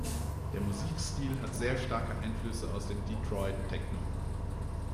Der Musikstil hat sehr starke Einflüsse aus dem Detroit Techno.